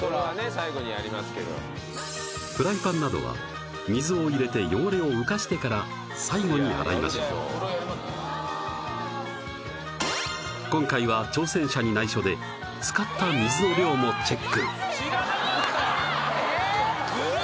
最後にやりますけどフライパンなどは水を入れて汚れを浮かしてから最後に洗いましょう今回は挑戦者にないしょで使った水の量もチェック聞いてない！